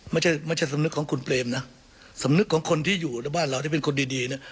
ไม่ใช่ไม่ใช่สำนึกของคุณเปรมนะสำนึกของคนที่อยู่ในบ้านเราที่เป็นคนดีดีเนี่ย